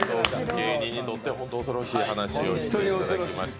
芸人にとって恐ろしい話をしていただきました。